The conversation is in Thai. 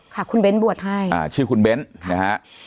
ค่ะคุณเบ้นบวชให้อ่าชื่อคุณเบ้นนะฮะ